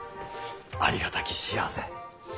ありがたき幸せ。